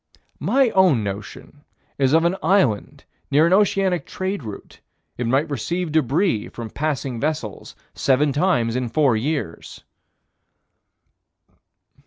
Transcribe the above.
My own notion is of an island near an oceanic trade route: it might receive débris from passing vessels seven times in four years.